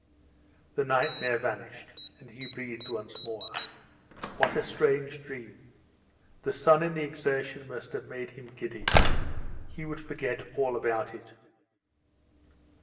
The nightmare vanished, and he breathed once more. What a strange dream! The sun and the exertion must have made him giddy. He would forget all about it.